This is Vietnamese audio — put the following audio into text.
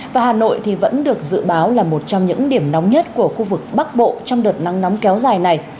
và hà nội vẫn được dự báo là một trong những điểm nóng nhất của khu vực bắc bộ trong đợt nắng nóng kéo dài này